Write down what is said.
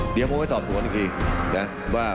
เดี๋ยวผมก็สอบส่วนอีกทีนะ